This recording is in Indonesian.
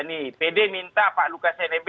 nih pd minta pak lukas nmb